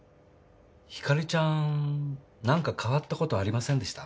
ひかりちゃん何か変わったことありませんでした？